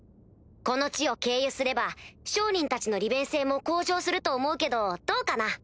この地を経由すれば商人たちの利便性も向上すると思うけどどうかな？